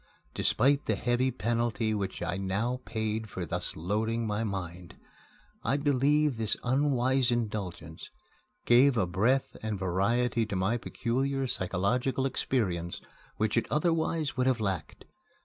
Despite the heavy penalty which I now paid for thus loading my mind, I believe this unwise indulgence gave a breadth and variety to my peculiar psychological experience which it otherwise would have lacked.